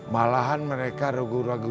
malahan mereka ragu ragu